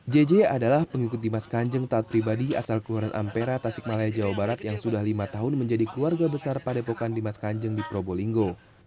jj adalah pengikut dimas kanjeng taat pribadi asal keluaran ampera tasik malaya jawa barat yang sudah lima tahun menjadi keluarga besar padepokan dimas kanjeng di probolinggo